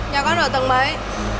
nhà con ở tầng mấy